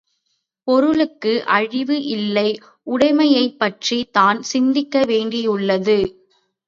பொருளுக்கு அழிவு இல்லை உடைமையைப் பற்றித் தான் சிந்திக்க வேண்டியுள்ளது.